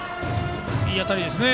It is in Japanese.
いい当たりですね。